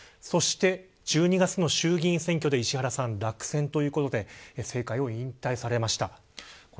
そして、１２月の衆議院選挙で石原さん落選ということで政界を引退されました。